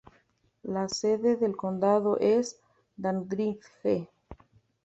La sede del condado es Dandridge.